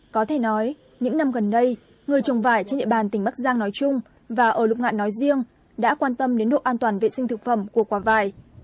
có thể nói những năm gần đây người trồng vải trên địa bàn tỉnh bắc giang nói chung và ở lục ngạn nói riêng đã quan tâm đến độ an toàn vệ sinh thực phẩm của quả vải